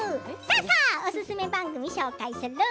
おすすめ番組、紹介する。